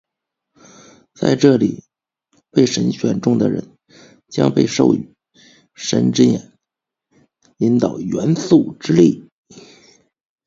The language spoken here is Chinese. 在这里，被神选中的人将被授予「神之眼」，引导元素之力。